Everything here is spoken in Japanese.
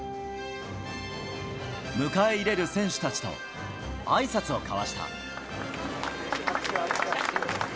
迎え入れる選手たちと、あいさつを交わした。